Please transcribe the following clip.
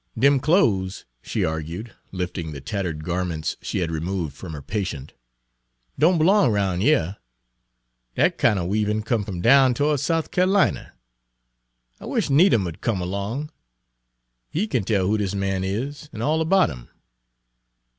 Dem clo's," she argued, lifting the tattered garments she had removed from her patient, "don' b'long 'roun' yere. Dat kinder weavin' come f'om down to'ds Souf Ca'lina. I wish Needham 'u'd come erlong. He kin tell who dis man is, an' all erbout 'im."